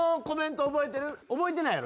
覚えてないやろ？